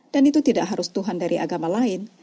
dan itu tidak harus tuhan dari agama lain